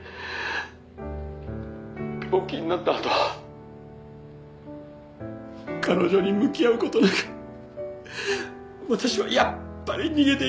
「病気になったあとも彼女に向き合う事なく私はやっぱり逃げていた」